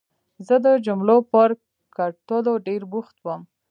زه د جملو پر کټلو ډېر بوخت وم.